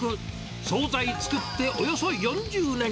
総菜作っておよそ４０年。